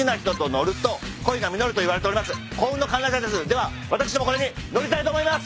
では私もこれに乗りたいと思います。